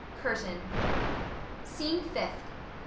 CURTAIN. SCENE FIFTH.